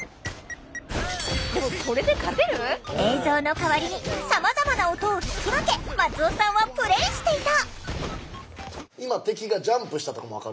でもそれで勝てる？映像の代わりにさまざまな音を聞き分け松尾さんはプレーしていた。